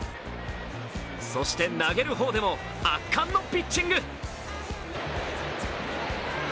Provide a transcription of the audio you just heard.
そして投げる方でも圧巻のピッチング。